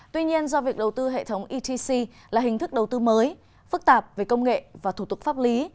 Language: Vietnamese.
tuy nhiên do việc đầu tư hệ thống etc là hình thức đầu tư mới phức tạp về công nghệ và thủ tục pháp lý